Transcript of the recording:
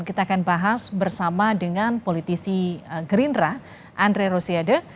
kita akan bahas bersama dengan politisi gerindra andre rosiade